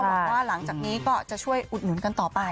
หวังว่าหลังจากนี้ก็จะช่วยอุดหนุนกันต่อไป